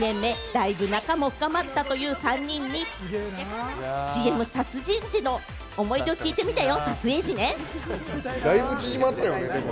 だいぶ仲も深まったという３人にＣＭ撮影時の思い出を聞いてみたよ。